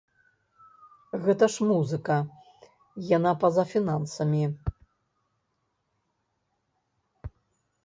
Гэта ж музыка, яна па-за фінансамі.